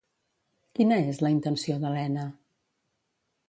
Quina és la intenció d'Elena?